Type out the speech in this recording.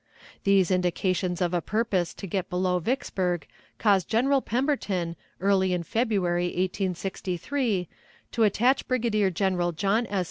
These indications of a purpose to get below Vicksburg caused General Pemberton, early in February, 1863, to detach Brigadier General John S.